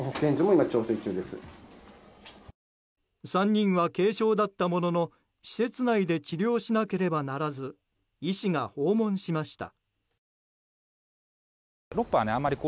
３人は軽症だったものの施設内で治療しなければならず医師が訪問しました。